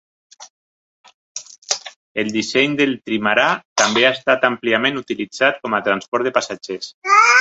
El disseny del trimarà també ha estat àmpliament utilitzat com a transport de passatgers.